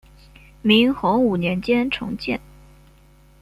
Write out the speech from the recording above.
明洪武年间重建。